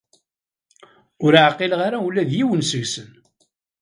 Ur ɛqileɣ ara ula d yiwen seg-sen.